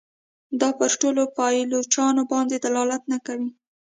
دا پر ټولو پایلوچانو باندي دلالت نه کوي.